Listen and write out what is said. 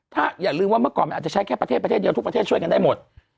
ถ้าอย่าลืมว่าเมื่อก่อนมันอาจจะใช้แค่ประเทศประเทศเดียวทุกประเทศช่วยกันได้หมด